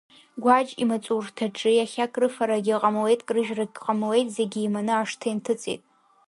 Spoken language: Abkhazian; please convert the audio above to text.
Гәаџь имаҵурҭаҿы иахьа крыфарагьы ҟамлеит, крыжәрагьы ҟамлеит, зегь еиманы ашҭа инҭыҵит.